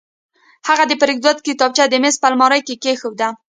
هغه د فریدګل کتابچه د میز په المارۍ کې کېښوده